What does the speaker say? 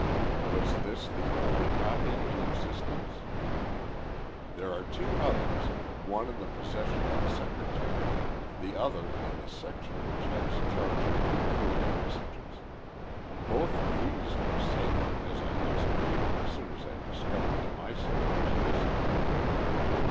"Was this the only copy in existence?" "There are two others one in the possession of the Secretary, the other in the section which has charge of decoding messages. Both of these are safe, as I ascertained as soon as I discovered that my slip was missing."